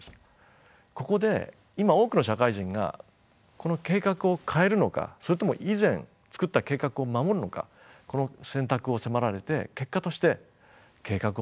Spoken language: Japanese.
ここで今多くの社会人がこの計画を変えるのかそれとも以前作った計画を守るのかこの選択を迫られて結果として計画を守る方になってる。